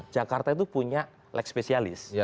jakarta itu punya leg spesialis